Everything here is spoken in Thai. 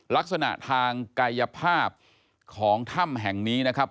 ลักษณะทางกายภาพของถ้ำแห่งนี้นะครับ